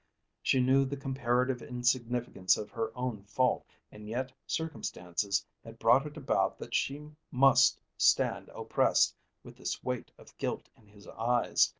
She knew the comparative insignificance of her own fault, and yet circumstances had brought it about that she must stand oppressed with this weight of guilt in his eyes.